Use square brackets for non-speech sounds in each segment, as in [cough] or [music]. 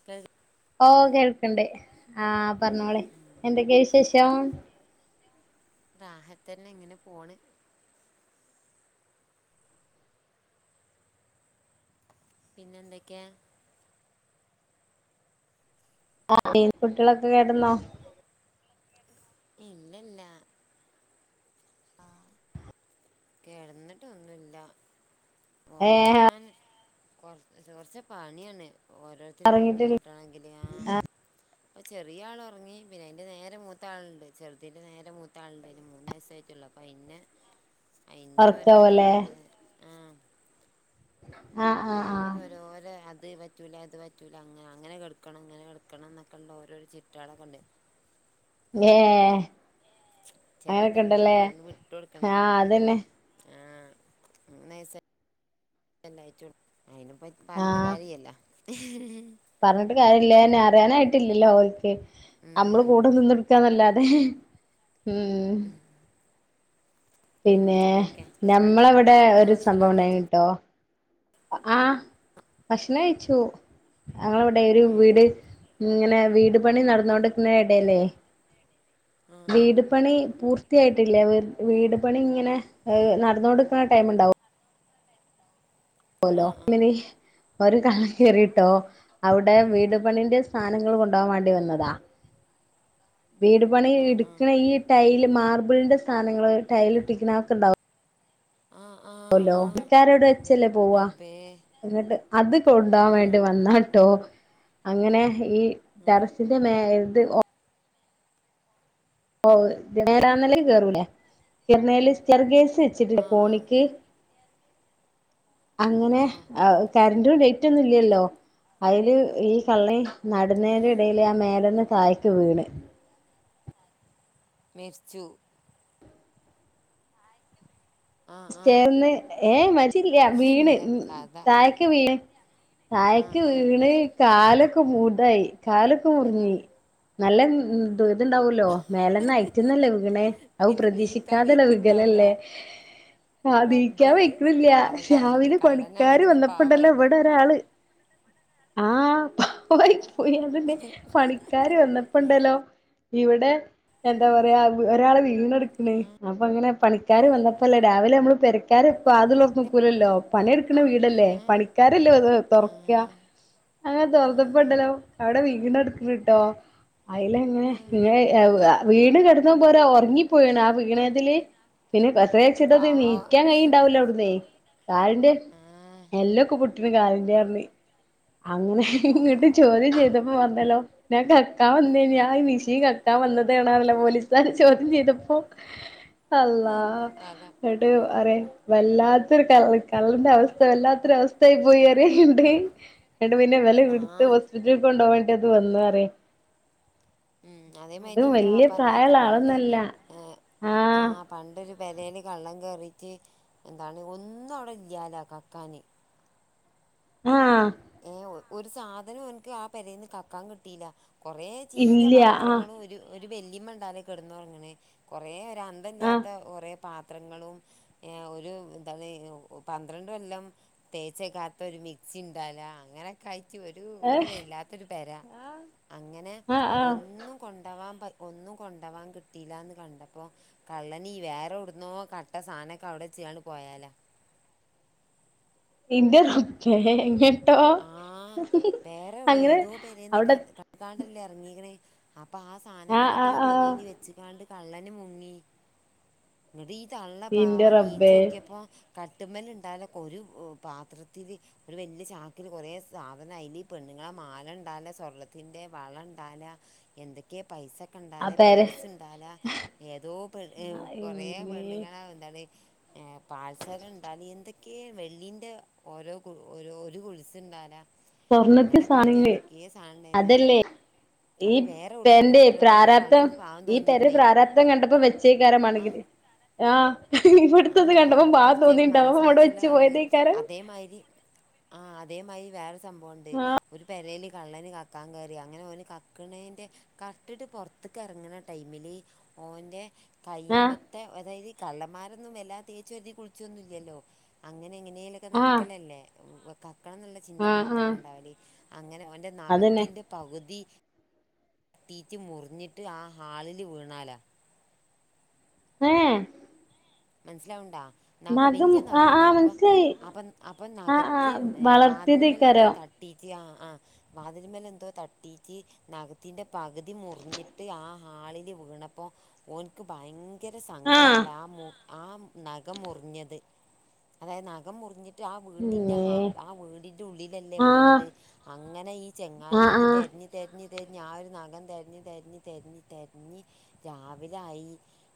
[unintelligible] ഓ കേൾക്ണ്ട് ആഹ്പറഞ്ഞോളീം എന്തൊക്കെയാ വിശേഷം റാഹത്തന്നെ ഇങ്ങനെ പോണ് പിന്നെ എന്തൊക്കെയാ വാപ്പിം കുട്ടികളൊക്കെ കേടന്നോ ഇല്ല ഇല്ലാ കിടന്നിട്ടൊന്നുല്ല ഏ ഒറങ്ങാന് കൊ കുറച്ച പണിയാണ് ഓരോരുത്തര ഉറങ്ങി ഉറങ്ങിട്ടില്ല കിട്ടണെങ്കില് ആ അപ്പ ചെറിയാൾ ഉറങ്ങി പിന്നെ അതിൻന്റെ നേരെ മൂത്താളുണ്ട് ചെറുതിന്റെ നേരെ മൂത്ത ആളുണ്ടയ്ന് മൂന്ന് വയസായിട്ടുള്ളൂ അയിന്നെ അയിൻ്റെ ഓരോരോ ഉറക്കാവല്ലേ ഏ ആ ആഹ് ആഹ് അയിന് ആഹ് ഓരോരെ അത് പറ്റ് - റ്റൂല ഇത് പറ്റൂല അങ്ങ അങ്ങനെ കെടക്കണം ഇങ്ങനെ കെടക്കണം എന്നൊക്കെള്ള ഓരോ ചിട്ടകളൊക്കെ ഉണ്ട് ങ്ങ്ഏ അങ്ങനൊക്കെ ചെറുതല്ലേ ഇണ്ടല്ലേ അപ്പൊ അങ്ങട് വിട്ട് കൊടുക്കണം ആഹ അതന്നെ ആ നൈസാ ലൈറ്റിട്ടും അയിനിപ്പ പറഞ്ഞ്ട്ട് ആഹ് കാര്യല്ല പറഞ്ഞിട്ട് കാര്യല്ലന് അറിയാനായിട്ടില്ലല്ലോ ഓൽക്ക് നമ്മള് ഉം കൂടെ നിന്നൊട്ക്കാന്നല്ലാതെ ഉം പിന്നെ ഞമ്മളെവിടെ നിങ്ങള് ഒരു സംഭവം ഭക്ഷണൊക്കെ കഴിച്ചോ ഉണ്ടായിനിട്ടോ ആഹ് ഭക്ഷണഴിച്ചു ഞങ്ങളവിടെ ഒരു ഏ വീട് ഇങ്ങനെ വീട് പണി നടന്നോണ്ടിരിക്കുന്ന ഇടല്ലേ ആ വീട് പണി പൂർത്തിയായിട്ടില്ല വീട് പണി ഇങ്ങനെ നടന്നോണ്ട്ക്ക്ണ ടൈം ഉണ്ടാവ - ആ പോലോ ആ ആ [unintelligible] ഒരു കള്ളൻ കേറിട്ടോ അവിടെ വീട് പണിന്റെ സാധനങ്ങൾ കൊണ്ടു വാൻ വേണ്ടി വന്നതാ [inaudible] വീട് പണി ആ ഇടുക്കണ ഈ ടൈൽ മാർബിളിന്റെ സാനങ്ങള് ടൈൽ ഇട്ടിക്കണ ഒക്കെ ഇണ്ടാവു - ആഹ് ആഹ് ഒലോ ണിക്കാര്അവ്ടെചല്ലേ പോവാ എന്നിട്ട് അത് കൊണ്ടാൻ ഉം വേണ്ടി വന്നാട്ടോ അങ്ങനെ ഈ ഉം ടെറസിന്റെ മേലത് ഒ - ഓ നേരാന്നില കേറൂലേ കിരണേൽ സർഗേസ് ച്ചിട്ട് ആ ആ കോണിക്ക് അങ്ങനെ ആ കറന്റും ലൈറ്റ് ഒന്നും ഇല്ലല്ലോ അയില് ഈ കള്ളേ ആ നടുന്നേന്റെ ഇടയില് ആ മേലെന്ന് തായ്ക്ക് വീണ് മെരിച്ചു ആ സ് ആ റ്റേർന്ന് ഏ മരിച്ചില്ല വീണ് നല്ല കഥ തായക്ക് വീണ് ആ തായക്ക് ആ വീണ് വീണ് കാലൊക്കെ മൂടായി കാലൊക്കെ മുറിഞ്ഞി നല്ല - ഇത്ണ്ടാവല്ലോ മേലെന്ന ഹൈയറ്റന്നല്ല വിക്ണേ അവും പിന്നെ നീക്കാൻ പ്രതീക്ഷിക്കാതല്ല വയ്ക്കുണ്ടാവൂല വികലല്ലേ ആ ദീക്കാം റബ്ബേ വെയ്ക്ക്ണില്ല പാവം കള്ളന് രാവിലെ പണിക്കാര് കള്ളനാണെങ്കിലും പാവായി വന്നപ്പോണ്ടല്ലോ പോയി ഇവിടെ നാള് ആ പാവായി പോയി അതിന്റെ പണി പണിക്കാര് വന്നപ്പോണ്ടല്ലോ ഇവിടെ എന്താ പറയാ ഒരാള് വീണ ക്ക്ണ് അപ്പങ്ങനെ പണിക്കാർ വന്നപ്പോല്ല രാവില നമ്മൾ പെര - പണിക്കാര് വാതില് തൊറന്ന ക്കൂലല്ലോ പണിയെടുക്കണ ആ വീടല്ലേ പണിക്കാരല്ലേ വന്നു ആ തൊറക്കാ അങ്ങനെ ആ ആ തോറന്നപ്പണ്ടല്ലോ അവിടെ വീണടക്ക്ണ്‌ട്ടോ അയില ഇങ്ങനെ ആ ഇങ്ങനെ വീണ് കിടന്നതുംപോരാ ഉറങ്ങിപ്പോയാണ് ആ വീണതില് പിന്നെ കതകയിച്ചിട്ടൊന്നും പാവ നീക്കാൻ കയ്ണ്ടാവുലാ അവിടന്നേ കാലിൻ്റെ എല്ലോക്കെ പൊട്ടീണ് കാലിൻ്റെന്ന് പറഞ്ഞ് അങ്ങനെ ഇങ്ങോട്ട് പാവ ചോദ്യം ചെയ്തപ്പോ വന്നല്ലോ ഞാൻ കക്കാവന്നേയിനി ഞാൻ മിഷിൻകക്കാൻവന്നതാണല്ലോ പോലീസുകർ ചോദ്യം ചെയ്തപ്പോ അള്ളാ എന്തോ കഥ കേട്ട് അറ വല്ലാത്തൊരു ക കള്ളന്റെ അവസ്ഥ വല്ലാത്തൊരു അവസ്ഥായി പോയി അറിയാണ്ട് എന്നിട്ട് പിന്നെ വില ആ ഇടുത്ത് ഹോസ്പിറ്റലിൽ കൊണ്ടോക വേണ്ടി അത് വന്ന അറിയു ഉം അതേ മതിറെ ഇന്റെ വല്യ വാപ്പാറിനക്ക പ്രായള്ള പണ്ട് ആളൊന്നല്ല ആഹ് പണ്ടൊരു പെരേല് കള്ളൻ കയറിയിട്ട് എന്താണ് ഒന്നും അവിടെ ഇല്ലാലോ കക്കാന് ആഹ് ഏഹ് ഒരു സാധനം എനിക്ക് ആഹ് പരൽന്ന് കക്കാൻ കിട്ടിയില്ല കുറേ ചീഞ്ഞ ഇല്ല ആഹ് പാത്രങ്ങള ഒരു ഒരു വല്ലിയമ്മണ്ടാല കെടന്നറങ്ങെ കൊറേ ആഹ് ഒരാന്തമില്ലാത്ത ഒറെ പാത്രങ്ങളും ഏഹ് ഒരു എന്താണ പന്ത്രണ്ട കൊല്ലം തേച്ചക്കാത്ത ഒരു മിക്സി ഉണ്ടാല അങ്ങനെ കഴിച്ചു ഒരു ഏഹ് ഒരുരില്ലാത്തൊരു പെര അങ്ങനെ ആഹ് ആഹ് ഒന്നും കൊണ്ടാവാൻ ഒന്നും കൊണ്ടാവാൻ കിട്ടിയില്ലന്ന് കണ്ടപ്പോൾ കള്ളനി വേറെ ഇടുന്നോ കട്ട സാധനൊക്കെ അവിടെച്ചാണ് പോയാലാ എന്റെ റബ്ബേ [unintelligible] ആഹ് വേറെ അങ്ങനെ ഏതോ പരന്ന് അവിടെ ക്കാണ്ടല്ലേ ഇറങ്ങിക്കണേ അപ്പൊ ആഹ് ആഹ് സാധങ്ങളൊക്കെ ഈ ആഹ് ആഹ് പെരയിൽ വെച്ചക്കാണ്ട് കള്ളന് മുങ്ങി ഇങ്ങോട്ട ഈ തള്ള ഇന്റെ പാവം നീച്ച റബ്ബേ വോക്കിയപ്പോ കട്ട്മൽ ഉണ്ടാല ഒരു പാത്രത്തില് ഒരു വലിയ ച ഒൽ കുറേ സാധനം അല്ല പെണ്ണുങ്ങളെ മാല ഉണ്ടാല്ല സ്വർണ്ണത്തിൻ്റെ വളം ഉണ്ടാല എന്തൊക്കെയാ പൈസ ഒക്കെ ആ ഉണ്ടാലേ പേരെ പേഴ്സ് എന്താല ഏതോ പെണ് കൊറെേ ഇമ്മേ പെണ്ണുങ്ങളാ എന്താണ് പാൽസരം ഉണ്ടാല എന്തൊക്കെയ വെള്ളിന്റെ ഓരോ കൊലിസ് ഇണ്ടാല സ്വർണ്ണത്തി അങ്ങനൊക്കെ ആയിട്ട് സാധനങ്ങള് എന്തൊക്കെയോ സായനം ഉണ്ടായിന്ന് തന്നെ അതല്ലേ ഈ അപ്പൊ വേറെ എവിടന്ന് പെന്റെ കട്ടപ്പ ഈ പ്രാരാബ്ധം കള്ളനി പാവം ഈ പെര തോന്നീക്കണേ പ്രാരാബ്ധം കണ്ടപ്പോ വെച്ചേക്കാരം ആഹ് മാണെങ്കില് ആഹ് ഇവിടുത്തത് ആഹ് കണ്ടപ്പോ അപ്പൊ പാവം കൊറച്ചേലും തോന്നിണ്ടാവും അവിടെ മനസാക്ഷിയുള്ള വെച്ച് കള്ളൻ പോയതേക്കാരം അതേമാതിരി ആഹ് അതേമായി വേറെ സംഭവമുണ്ട് ആഹ് ഒരു പെരയിലെ കള്ളന് കക്കാൻ കേറി അങ്ങനെ ഓനു കക്കണേൻ്റെ കട്ടിട്ടു പൊറത്ത് ഇതു കറങ്ങണ ടൈമിലെ ഓന്റെ ആഹ് കൈമത്ത് ത്തെ അതായത് കള്ളമാരൊന്നും വല്ലാ തേച്ചൊരുതി കുളിച്ചൊന്നില്ലല്ലോ അങ്ങനെങ്ങനേലൊക്കെ ഒക്കെ ആഹ് നടക്കലല്ലേ കക്കണംന്നുള്ള ചിന്ത ആഹ് മാത്രല്ലേ ആഹ് ഉണ്ടാവലെ അങ്ങനെ ഓന്റെ അതന്നെ നഖത്തിന്റെ പകുതി തീറ്റി മുറിഞ്ഞിട്ട് ആഹ് ഹാളിലു വീണാലാ ഏഹ് മനസ്സിലാവൺണ്ടോ നഖം വല്ലിയ ആഹ് നഖാണ് ആഹ് അപ്പം മനസ്സിലായി അപ്പം അപ്പം ആഹ് ആഹ് നഖത്തീന്നെ വാതിലിമേ എന്തോ തട്ട് വളർത്തിയതേക്കാരം തട്ടീച്ചി ആഹ്ആഹ് വാതിലിമേലെന്തോ തട്ടീച്ചി നഖത്തിന്റെ പകുതി മുറിഞ്ഞിട്ട് ആഹ് ഹാളില് വീണപ്പോ ഓൻക്ക് ഭയരങ്ക് ങ്കര സങ്കടാല ആഹ് മൊ ആഹ് നഖം മുറിഞ്ഞത് അതായത് നഖം മുറിഞ്ഞിട്ട് ട്ടാ വീട്ടിന്റെ ഇമ്മേ ആഹ് വീടിന്റെ ഉള്ളിലല്ലേ ആഹ് വീണത് അങ്ങനെ ഈ ചെങ്ങായി ആഹ് ഇത് ആഹ് തെരഞ്ഞ് തെരഞ്ഞ് തെരഞ്ഞ് ആഹ് ഒരു നഖം തെരഞ്ഞ് തെരഞ്ഞ് തെരഞ്ഞ് തെരഞ്ഞ് തെ രാവിലെ ആയി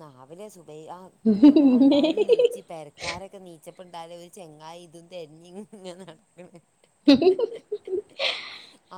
രാവിലെ സുബൈ ആക്ക് ഇമ്മേ എല്ലാരും നീച്ചി പെര താരൊക്കെ നീച്ചപ്പൊണ്ടാലൊരു ചെങ്ങായി ഇതെന്താ എന്നെ ഇങ്ങനെ നടക്കണെ [unintelligible]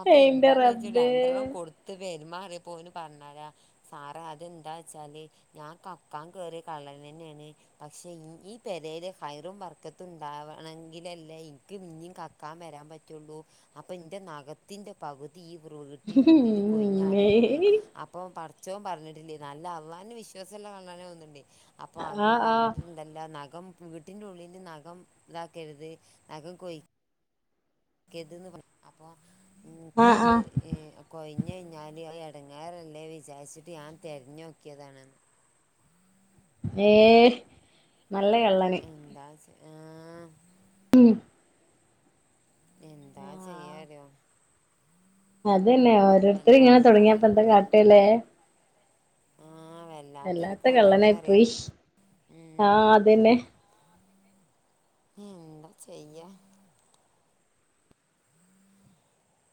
അപ്പ എന്റെ എന്താന്ന് വച്ചാ റബ്ബേ രൺഡ്രേണ്ണം കൊടു ഇതു വെരുമാറിയ പോയീന്ന് പറഞ്ഞതാ സാറതെന്താ വെച്ചാല് ഞാൻ കക്കാങ്കേറിയ കള്ളനന്നെയാണെ പക്ഷെ ഈഹ് ഈ പേരേലെ ഫയറും വർക്കത്തുണ്ടാവണമെങ്കിലല്ലേ എനിക്കും ഇനിയും ക ത്താൻ വരാ പറ്റൂള്ളൂ അപ്പെൻ്റെ നഖ ത്തിന്റെ പകുതി ഈ വ്രീട്ടിന്നുള്ളിലെ ഇമ്മേ കൊയിഞ്ഞാടീക്കണെ അപ്പം തട ഉച്ചാൻ പറഞ്ഞിട്ടില്ലേ നല്ല അള്ളാനു വിശ്വാസൊള്ള ആളാണെ ഒന്നുണ്ട് അപ്പ അള്ള ആഹ് ആഹ് പറഞ്ഞിട്ടേ ഇതല്ല നഖം വീട്ടിന്റുള്ളിലു നഖം ഇതാക്കരുത് നഖം കൊയി കെതെന്നു പറ അപ്പൊ ആഹ് നിക്കത് ആഹ് ഏഹ് കൊയിഞ്ഞു കയിഞ്ഞാല് ഏഹ് എടങ്ങേറല്ലേ വിചാരിച്ചിട്ട് ഞാൻ തെരഞ്ഞോക്കിയതാണ് ഏഹ് നല്ല കള്ളം എന്താസ്നാ ഉം എന്താ ആഹ് ചെയ്യാലോ അതന്നെ ഓരോരുത്തരിങ്ങനെ വല്ലാത്ത കള്ളൻ തൊടങ്ങിയാപ്പെന്താ കാട്ടല്ലേ ആഹ് വല്ലാത്തൊരു വല്ലാത്ത കള്ളനായി കള്ളന്നറിയാം പോയി ഉം ആഹ് അതന്നെ എന്താ ചെയ്യാ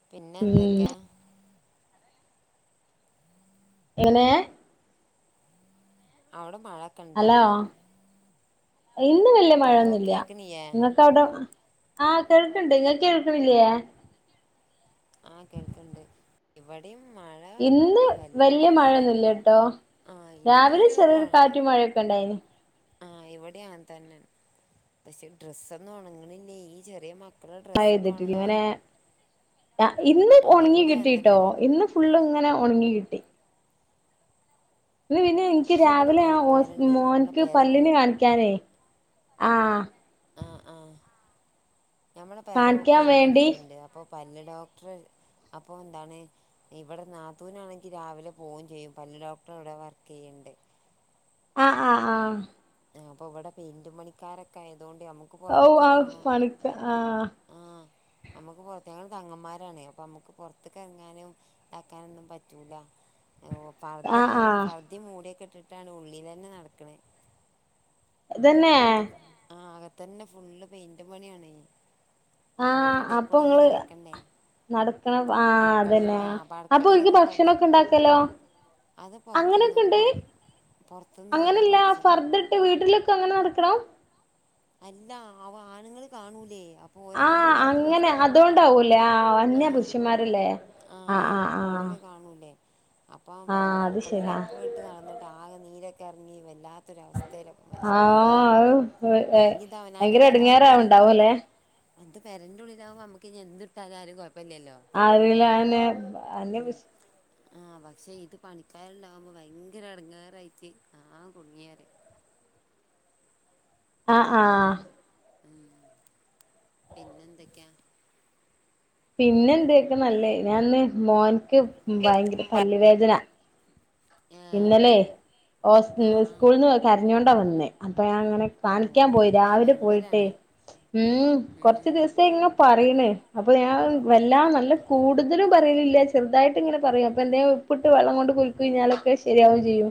പിന്നെന്തൊക്കെയാ എങ്ങനേ അവിടെ മഴ ഒക്കെ ഉണ്ടോ ഹലോ ഇന്നു വലിയ ഹലോ മഴയൊന്നില്ല കേൾക്കണിയേ നിങ്ങട് തട ആഹ് കേൾക്കണ്ട് ഇങ്ങൾക്ക് കേൾക്കുന്നില്ലിയോ ആഹ് കേൾക്കണ്ട് ഇവിടെയും മഴ ഇന്ന് വല്യ വല്ലാതെ മഴയ് മഴയൊന്നുല്ല ട്ടോ ആഹ് രാവിലെ ഇന്നൊരു ചെറിയൊരു ആഹ് കാറ്റും ആഹ് മഴയൊക്കെ ഉണ്ടായിന് ആഹ് ഇവിടെം അങ്ങനതന്നെ പക്ഷെ ഡ്രസ്സൊന്നും ഒണങ്ങണില്ലേ ഈ ചെറിയ മക് ക്കടെഡ്രസ്സൊക്കെ ഒണങ്ങാന് ആഹ് ഇന്ന് ഒണങ്ങി ഇവിടെ അങ്ങനെ കിട്ടീട്ടോ തന്നെയാണ് ഇന്ന് ഫുള്ളിങ്ങനെ ഒണങ്ങി കിട്ടി ഇന്നു പിന്നെ എനിക്ക് പക്ഷെ ഇവിടെ രാവിലെ അഹ് ഹോസ്പി പണിക്കാരുണ്ടേ നമ്മളെ മോൻക്ക് പെര വീ പല്ലിനെ കാണിക്കാനേ ആഹ് ആഹ് ആഹ് ഞമ്മളെ പേര കാണിക്കാൻ വേണ്ടി പെയിന്റ്ടിക്കിണ്ട് അപ്പ പല്ലു ഡോക്ടറെ അപ്പോ എന്താണ് ഇവിടെ നാത്തൂനാണെങ്കി രാവിലെ പോവുകേം ചെയ്യും പല്ലു ഡോക്ടർടവിടെ വർക്ക് ചെയ്യണ്ട് ആഹ് ആഹ് ആഹ് ആഹ് അപ്പം ഇവിടെ പെയിന്റും പണിക്കാരൊക്കായതുകൊണ്ട് നമുക്ക് ഔ പുറത്തേക്ക് ആഹ ഇറങ്ങണ പണിക്ക ആഹ് ആഹ് നമ്മുക്ക് പുറത്തേങ്ങും തങ്ങന്മാരാണ് അപ്പൊ നമ്മുക്ക് പൊറത്തെകും ഇറങ്ങാനും ഇതാക്കാനൊന്നും പറ്റൂല ഓ ആഹ് പർദൊക്കെ ആഹ് പർദേ മൂടിയൊക്കെ ഇട്ടിട്ടാണ് ഉള്ളി തന്നെ നടക്കണെ ഇതന്നെ അകത്ത ആ അകത്ത തന്നെ ഫുള്ള് പെയിന്റ് പണിയാണ് അപ്പൊ ഒരിടയിൽക്കൂടെ ഇങ്ങ് നടക്കണ്ടേ നടക്കണ ആ അടുക്കളയിൽ അതന്നെയ, ആ അപ്പം അപ്പൊ എനിക്ക് അടുക്കളയിലൊക്കെ ഫർദി ഭക്ഷണൊക്കെ ഇണ്ടാക്കല്ലോ? അത് പുറത്തുന്ന് അങ്ങനൊക്കെണ്ട് പുറത്തുന്ന് ഓല് അങ്ങനല്ല ഭക്ഷണം ഫർ വീട്ടിലേക്ക എങ്ങനെ നടക്കണോം? അല്ല അവ ആണുങ്ങൾ കാണൂലേ അ ആഹ് അങ്ങനെ അതുകൊണ്ടാവൂല്ലേ ആ അന്യാ പുഷിന്മാരല്ലേ ആഹ് ആഹ് അപ്പോ കാണൂല്ലേ അപ്പം നമ്മൾ ആഹ് അത് ശരിയാ അടുക്കളയിലൊക്കെ തട്ട് നടന്നിട്ട് ആകെ നീരൊക്കെ ഇറങ്ങി വല്ലാത്തരവസ്ഥയിലൊ മനുഷ്യന്മാർ ആഹ് [unintelligible] അല്ലെങ്കിൽ ഇത് അവനാന്റെ പേര ആവുമ്പോ എന്താ എടങ്ങേറാവ്ണ്ടാവുല്ലേ എന്റെ പരന്റ ഉള്ളിലാവുമ്പോ നമക്ക് ഇനി എന് ഇട്ടാലുംഴപ്പില്ലല്ലോ അറീല ന്ന് [unintelligible] ആഹ് പക്ഷെ ഇത് പണിക്കരുണ്ടാകുമ്പോ ഭയങ്കര എടങ്ങേറായിട്ട് ആകെ കുടുങ്ങിയത്. ആഹ് ആഹ് പിന്നെ എന്തൊക്കെയാ? പിന്നെ എന്ത് ഒക്കെ നല്ലത് ഞാനന്ന് മോൻക്ക് ഭയങ്കര പല്ലിവേദന ഏ ഇന്നലെ ഓന് ആ ആ സ്കൂളിൽ ന്ന് കരഞ്ഞൊണ്ടാ വന്നേ അപ്പൊ ഞാൻ അങ്ങനെ ഓ കാണിക്കാൻ പോയി പല്ലുവേദന രാവിലെ പോയിട്ടേ ഭയങ്കരാണ് ഉം കൊറച്ച് ഉം ദിവസം പെ ഇങ്ങ പറയണ് അപ്പൊ ഞാൻ വല്ലാം നല്ല കൂടുതലും പറയണില്ല ചെറുതായിട്ട് ഇങ്ങനെ പറയും അപ്പൊ എന്ത ഉപ്പ് ഇട്ട് വെള്ളം കൊണ്ട് കുൽകുയ്ഞാലൊ വേം ശരിയാവും ചെയ്യും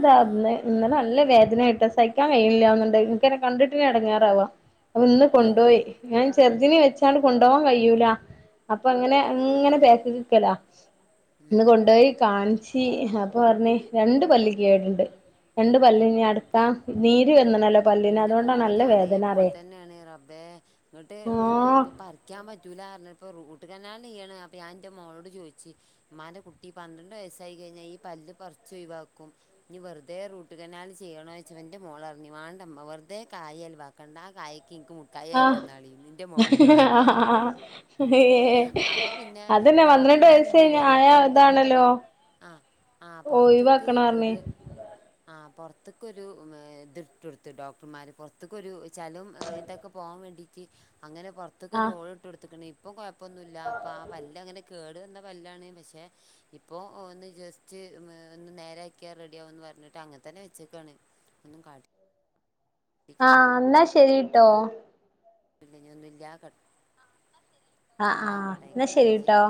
ആ ആ ഇന്ന ഇന്നലെ നല്ല വേദനായാട്ട സഹി ക്കാൻ കയ്യിണില്ല്യ തോന്ന്ണ്ട് ഇൻക്കെന്നെ കണ്ട്ട്ടെന്നെ എടങ്ങേറാവാ അപ്പൊയിന്ന് ഉം ഉം കൊണ്ടോയി ഞാൻ ചെർതിനിം വെച്ചാണ്ട് കൊണ്ടോവാൻ കഴിയൂല അപ്പൊ അങ്ങനെ ആ അങ്ങനെ ആ ബേക്ക്ക്ക്ക്കെലാ ഇന്ന് ഉം കൊണ്ടോയി കാൺച്ച് അപ്പൊ പർഞ് രണ്ട് പല്ല് കേട്ണ്ട്. രണ്ട്പല്ല്ഞ്ഞ് അട്ക്കാ നീര് വെന്ന്ണലോ ഇന്റെ മോള്ത് അതേ പോൽതന്നെണ് റബ്ബെ! ഇങ്ങട്ട് ആഹ് ഇപ്പൊ പറി ക്കാ പറ്റൂലാർഞ്ഞപ്പൊ റൂട്ട് കാനാലെയ്യണം അപ്പ ഞായിന്റെ മോളോട് ചോയ്ച്ച് ഇമ്മാന്റെ കുട്ടി പന്ത്രണ്ട് വയസ്സായി കഴിഞ്ഞാ ഈ പല്ല് പർച്ച് ഒഴിവാക്കും. ഇഞ്ഞ് വെർതെ റൂട്ട് കനാല് ചെയ്യണോയ്ച്ചപ്പൊ ഇന്റെ മോളർഞ് മാ വെറുതേ കായി ചെലവാക്കണ്ട ആ കായ്ക്ക് ഇൻക്ക് മുട്ടാ ക്കായിവാങ്ങി ആഹ് തന്നാളിന്നിന്റെ മോളിന്നോടങ്ങനെ പർഞ് ഏ അപ്പൊ പിന്നെ അതന്നെ പന്ത്രണ്ട് വയസ്സ് ഡോക്ടർമാരെന്തെയ്ത് അറിയോ ആയ പൊർത്ത്ട്ട് ഇതാണല്ലോ ആഹ ആ് പൊർത്ത്ക്ക് ഒഴിവാക്കണം പറഞ്ഞ് ഒര് ആഹാ പൊർത്ത്ക്കൊര് ഇത് ഇട്ടൊട്ത്ത് ഡോക്ടർമാര് പൊർത്ത്ക്കൊരു ചെലും ഏഹ് ഇതൊക്കെ പോവാ വേണ്ടിട്ട് അങ്ങനെ പൊറ ത്ത്ക്കൊരു ആഹ് ഓള്ട്ടൊട്ത്ത്ക്ണ് ഇപ്പം കൊഴപ്പൊന്നുല്ല അപ്പ ആ പല്ലങ്ങനെ കേട് വന്ന പല്ലാണ് പഷെ ഇപ്പോ ഒന്ന് ജസ്റ്റ് ഒന്ന് നേരാക്കിയാ റെഡിയാവുന്ന് പറഞ്ട്ട് അങ്ങത്തന്നെ വെച്ചേക്കാണ് ഒന്നും കാട്ടി ആഹ ഇന്നാ ശെരിട്ടോ? ല്ല ഒന്നും ഇല്ല്യാക്കട്ടെ ആഹ് അയിക്കോട്ടെ അയിക്കോട്ടെ ഇന്നാശെരി